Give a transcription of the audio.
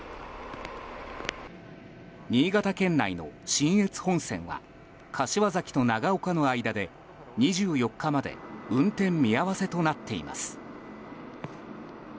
新潟県内の信越本線は柏崎と長岡の間で２４日まで運転見合わせとなっています。